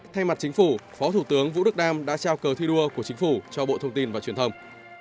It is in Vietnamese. thay mặt chính phủ phó thủ tướng vũ đức đam đã trao cờ thi đua của chính phủ cho bộ thông tin và truyền thông